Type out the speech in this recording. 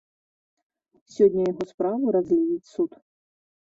Сёння яго справу разгледзіць суд.